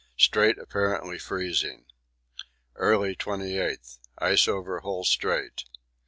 Strait apparently freezing. Early 28th. Ice over whole Strait.